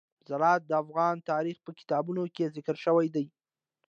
زراعت د افغان تاریخ په کتابونو کې ذکر شوی دي.